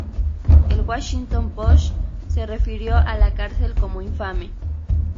El Washington Post se refirió a la cárcel como "infame".